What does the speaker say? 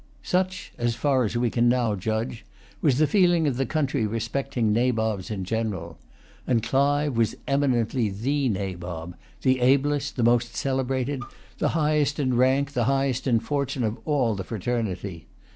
Such, as far as we can now judge, was the feeling of the country respecting Nabobs in general. And Clive was eminently the Nabob, the ablest, the most celebrated, the highest in rank, the highest in fortune, of all the fraternity.